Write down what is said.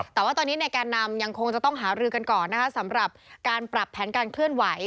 แต่ว่าตอนนี้ในแกนนำยังคงจะต้องหารือกันก่อนนะคะสำหรับการปรับแผนการเคลื่อนไหว